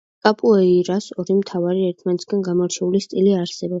კაპუეირას ორი მთავარი ერთმანეთისგან გამორჩეული სტილი არსებობს.